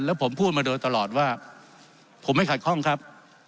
แล้วผมพูดมาโดยตลอดว่าผมไม่ขัดข้องครับ